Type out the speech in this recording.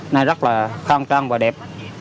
nó rất là khăn khăn và đẹp